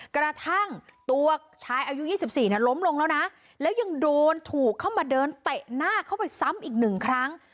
กระทั่งตัวชายอายุ๒๔ล้มลงแล้วนะแล้วยังโดนถูกเข้ามาเดินเตะหน้าเข้าไปซ้ำอีกหนึ่งครั้ง